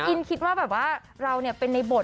อินคิดว่าแบบว่าเราเป็นในบท